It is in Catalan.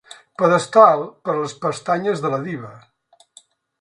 Pedestal per a les pestanyes de la diva.